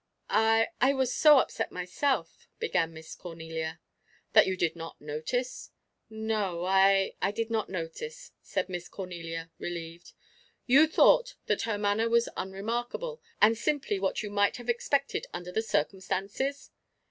"I I was so upset myself" began Miss Cornelia. "That you did not notice?" "No, I I did not notice," said Miss Cornelia, relieved. "You thought that her manner was unremarkable, and simply what you might have expected under the circumstances?"